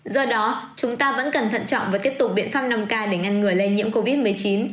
do đó chúng ta vẫn cần thận trọng và tiếp tục biện pháp năm k để ngăn ngừa lây nhiễm covid một mươi chín